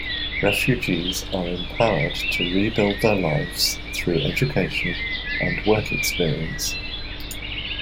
Refugees are empowered to rebuild their lives through education and work experience.